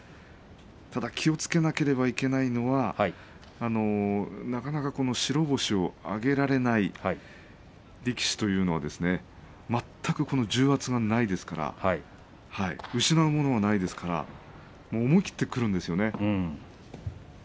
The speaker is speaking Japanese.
ただ気をつけなければいけないのはなかなか白星を挙げられない力士というのは全く重圧がないですから失うものがないですから思い切ってくるんですよね。